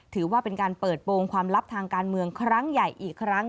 ถือว่าเป็นการเปิดโปรงความลับทางการเมืองครั้งใหญ่อีกครั้ง